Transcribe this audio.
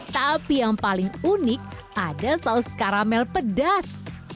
tapi yang paling unik ada saus karamel pedas